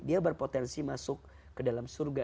dia berpotensi masuk ke dalam surga